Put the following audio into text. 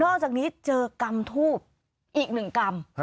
นอกจากนี้เจอกำทูปอีกหนึ่งกำ